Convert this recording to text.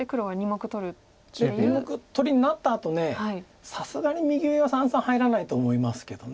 ２目取りになったあとさすがに右上は三々入らないと思いますけど。